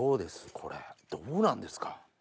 これどうなんですか？